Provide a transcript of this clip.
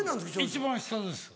一番下です。